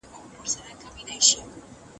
احمد شاه ابدالي څنګه د ګاونډیو ستونزي درک کولي؟